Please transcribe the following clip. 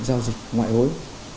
giao dịch ngoại hối